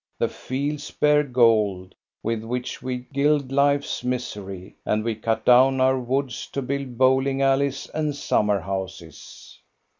The fields bear gold, with which we gild life's misery, and we cut down our woods to build bowling alleys and summer houses."